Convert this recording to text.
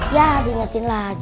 yaa dimetin lagi